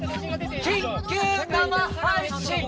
緊急生配信！